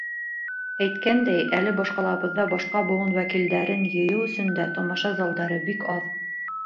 Әйткәндәй, әле баш ҡалабыҙҙа башҡа быуын вәкилдәрен йыйыу өсөн дә тамаша залдары бик аҙ.